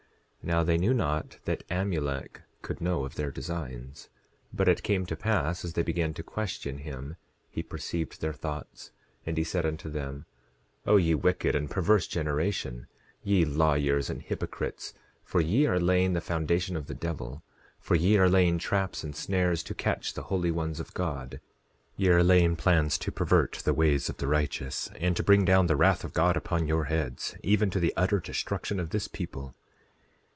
10:17 Now they knew not that Amulek could know of their designs. But it came to pass as they began to question him, he perceived their thoughts, and he said unto them: O ye wicked and perverse generation, ye lawyers and hypocrites, for ye are laying the foundation of the devil; for ye are laying traps and snares to catch the holy ones of God. 10:18 Ye are laying plans to pervert the ways of the righteous, and to bring down the wrath of God upon your heads, even to the utter destruction of this people.